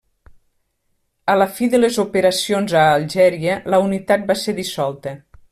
A la fi de les operacions a Algèria, la unitat va ser dissolta.